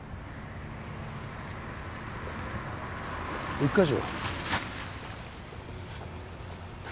一課長。